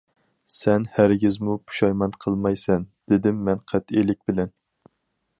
« سەن ھەرگىزمۇ پۇشايمان قىلمايسەن» دېدىم مەن قەتئىيلىك بىلەن.